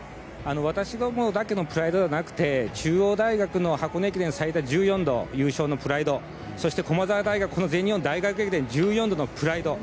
私が思うだけのプライドだけではなくて中央大学の箱根駅伝最多１４度優勝のプライドそして駒澤大学、全日本大学駅伝１４度のプライド。